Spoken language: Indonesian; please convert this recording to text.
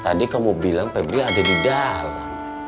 tadi kamu bilang febri ada di dalam